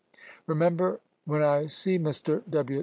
Remember, when I see Mr. W.